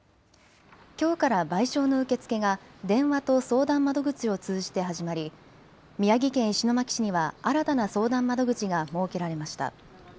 きょうから賠償の受け付けが電話と相談窓口を通じて始まり宮城県石巻市には新たな相談窓口が設けられました。